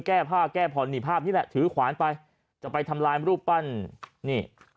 แก้ผ้าแก้ผ่อนนี่ภาพนี้แหละถือขวานไปจะไปทำลายรูปปั้นนี่